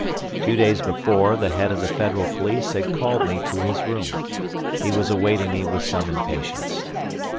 Two days before, the head of the federal police had called me to his room. He was awaiting me with some impatience.